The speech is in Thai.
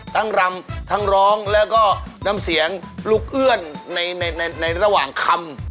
รำทั้งร้องแล้วก็น้ำเสียงลูกเอื้อนในระหว่างคำ